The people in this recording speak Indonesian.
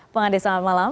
pengadil selamat malam